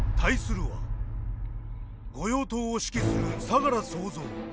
御用盗を指揮する相楽総三。